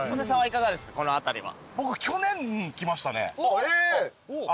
この辺りは。